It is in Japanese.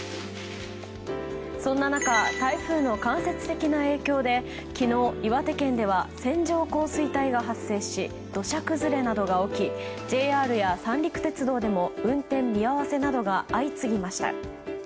そんな中台風の間接的な影響で昨日、岩手県では線状降水帯が発生し土砂崩れなどが起きＪＲや三陸鉄道でも運転見合わせなどが相次ぎました。